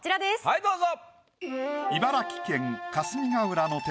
はいどうぞ。